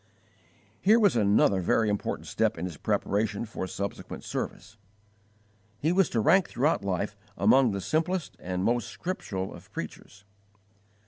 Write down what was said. Here was another very important step in his preparation for subsequent service. He was to rank throughout life among the simplest and most scriptural of preachers.